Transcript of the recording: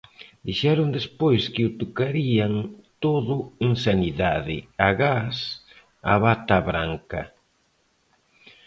Dixeron despois que o tocarían todo en sanidade agás a bata branca.